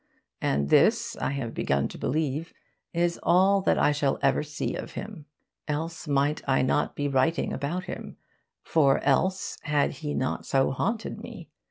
And this, I have begun to believe, is all that I shall ever see of him. Else might I not be writing about him; for else had he not so haunted me.